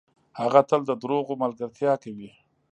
هغه تل ده دروغو ملګرتیا کوي .